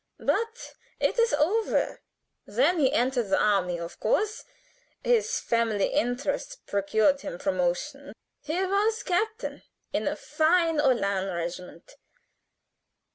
But it is over. "Then he entered the army of course. His family interest procured him promotion. He was captain in a fine Uhlan regiment.